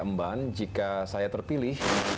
emban jika saya terpilih